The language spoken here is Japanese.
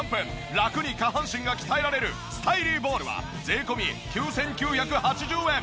ラクに下半身が鍛えられるスタイリーボールは税込９９８０円。